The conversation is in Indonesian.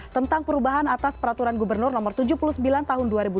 tentang perubahan atas peraturan gubernur no tujuh puluh sembilan tahun dua ribu dua puluh